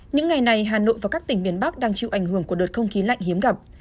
những ngày này hà nội và các tỉnh miền bắc đang chịu ảnh hưởng của đợt không khí lạnh hiếm gặp